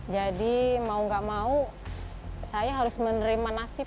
jadi mau gak mau saya harus menerima nasib